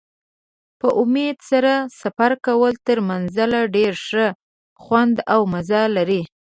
په امید سره سفر کول تر منزل ډېر ښه خوند او مزه لري.